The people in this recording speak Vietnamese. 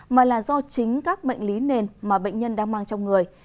mà là do chính các bệnh lý nền mà bệnh nhân đang mang trong người